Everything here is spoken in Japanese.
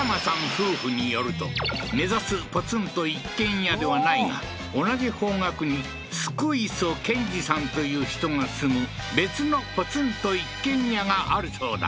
夫婦によると目指すポツンと一軒家ではないが同じ方角にスクイソケンジさんという人が住む別のポツンと一軒家があるそうだ